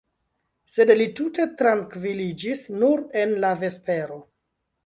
Sed li tute trankviliĝis nur en la vespero.